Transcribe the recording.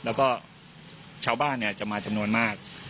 แล้วก็ชาวบ้านจะมาจำนวนมาก